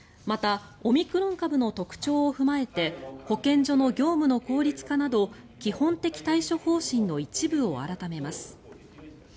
また、オミクロン株の特徴を踏まえて保健所の業務の効率化など基本的対処方針の一部を改めます。